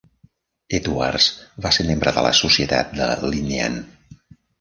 Edwards va ser membre de la Societat de Linnean.